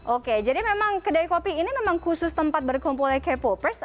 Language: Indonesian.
oke jadi memang kedai kopi ini memang khusus tempat berkumpulnya k popers